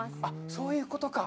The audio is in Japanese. そういうことか。